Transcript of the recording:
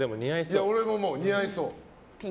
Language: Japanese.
俺も思う、似合いそう。